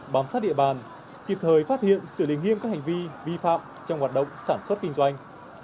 bám sát địa bàn kịp thời phát hiện xử lý nghiêm các hành vi vi phạm trong hoạt động sản xuất kinh doanh